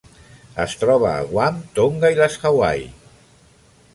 Es troba a Guam, Tonga i les Hawaii.